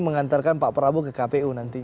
mengantarkan pak prabowo ke kpu nanti